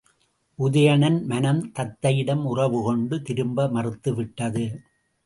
உதயணன் மனம் தத்தையிடம் உறவுகொண்டு திரும்ப மறுத்துவிட்டது.